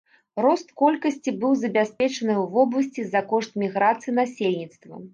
Рост колькасці быў забяспечаны ў вобласці за кошт міграцыі насельніцтва.